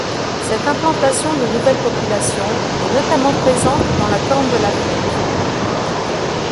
Cette implantation de nouvelles populations est notamment présente dans la corne de l'Afrique.